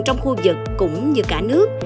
trong khu vực cũng như cả nước